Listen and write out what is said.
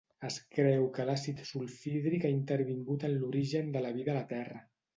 Es creu que l'àcid sulfhídric ha intervingut en l'origen de la vida a la Terra.